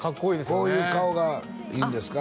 こういう顔がいいんですか？